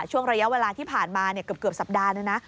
ช่วงระยะเวลาที่ผ่านมาเกือบสัปดาห์เลยนะ